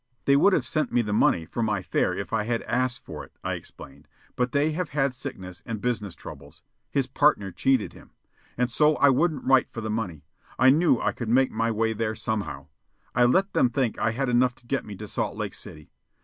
"They would have sent me the money for my fare if I had asked for it," I explained, "but they have had sickness and business troubles. His partner cheated him. And so I wouldn't write for the money. I knew I could make my way there somehow. I let them think I had enough to get me to Salt Lake City.